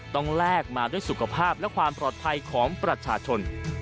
แลกมาด้วยสุขภาพและความปลอดภัยของประชาชน